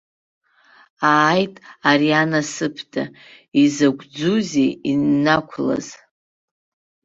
Ааит, ари анасыԥда, изакә ӡузеи иннақәлаз.